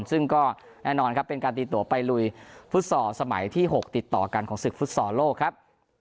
ซึ่งก็แน่นอนครับเป็นการตีตัวไปลุยฟุตซอลสมัยที่๖ติดต่อกันของศึกฟุตซอลโลกครับ